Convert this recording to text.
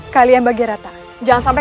kalian bagi rata jangan sampai